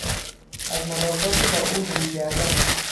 از ملاقات با او روی گردانم.